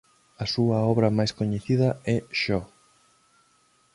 A súa obra máis coñecida é "Sho!